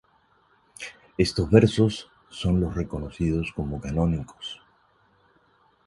Estos versos son los reconocidos como canónicos.